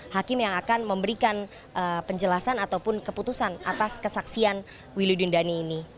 hakim yang akan memberikan penjelasan ataupun keputusan atas kesaksian wiludin dhani ini